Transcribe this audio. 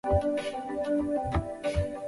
大部份物种会发生两性异形。